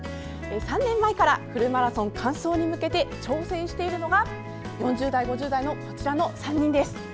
３年前からフルマラソン完走に向けて挑戦しているのが４０代、５０代のこちらの３人です。